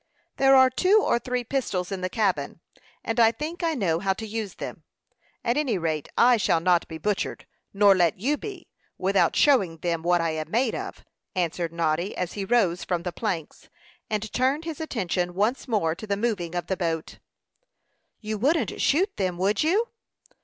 "There are two or three pistols in the cabin, and I think I know how to use them; at any rate I shall not be butchered, nor let you be, without showing them what I am made of," answered Noddy, as he rose from the planks, and turned his attention once more to the moving of the boat. "You wouldn't shoot them would you?"